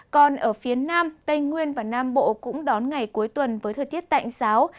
còn ở phía nam tây nguyên và nam bộ cũng đón ngày cuối tuần với thời tiết tạnh giáo